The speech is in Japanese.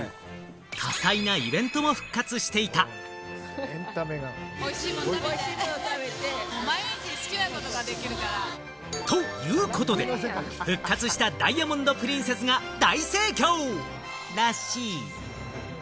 多彩なイベントも復活していた！ということで、復活したダイヤモンド・プリンセスが大盛況らしい。